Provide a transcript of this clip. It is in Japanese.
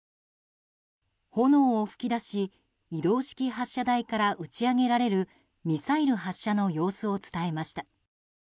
炎を噴き出し移動式発射台から打ち上げられるミサイル発射の様子を伝えました。